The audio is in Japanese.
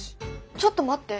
ちょっと待って。